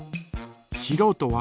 しろうとは？